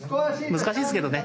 難しいですけどね。